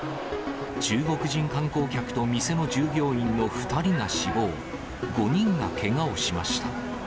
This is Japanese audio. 中国人観光客と店の従業員の２人が死亡、５人がけがをしました。